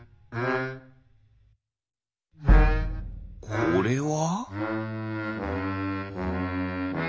これは？